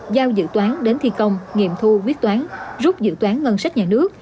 giao dự toán đến thi công nghiệm thu quyết toán rút dự toán ngân sách nhà nước